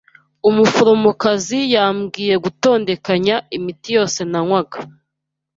Umuforomokazi yambwiye gutondekanya imiti yose nanywaga.